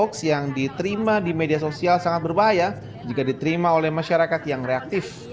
hoax yang diterima di media sosial sangat berbahaya jika diterima oleh masyarakat yang reaktif